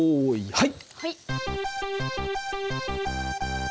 はい。